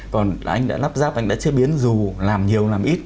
còn là anh đã lắp ráp anh đã chế biến dù làm nhiều làm ít